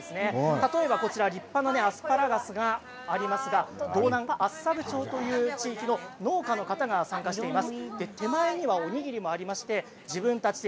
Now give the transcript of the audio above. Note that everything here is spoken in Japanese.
例えばこちら立派なアスパラガスがありますが道南の地域の農家の方が参加しています。